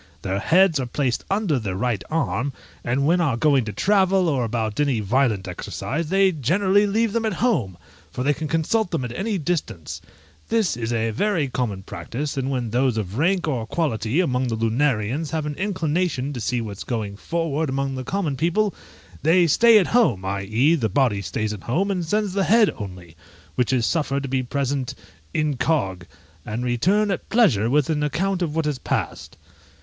Their heads are placed under their right arm, and when are going to travel, or about any violent exercise, they generally leave them at home, for they can consult them at any distance; this is a very common practice; and when those of rank or quality among the Lunarians have an inclination to see what's going forward among the common people, they stay at home, i.e., the body stays at home, and sends the head only, which is suffered to be present incog., and return at pleasure with an account of what has passed.